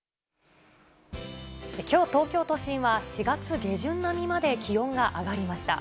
きょう、東京都心は４月下旬並みまで気温が上がりました。